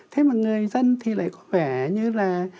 thế mà người dân thì lại có vẻ như là